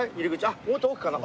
あっもっと奥かな？